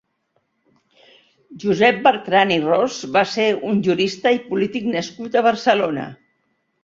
Josep Bertran i Ros va ser un jurista i polític nascut a Barcelona.